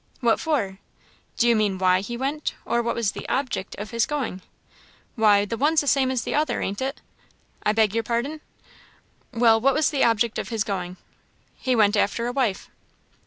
"What for?" "Do you mean why he went, or what was the object of his going?" "Why, the one's the same as the other, ain't it?" "I beg your pardon." "Well, what was the object of his going?" "He went after a wife."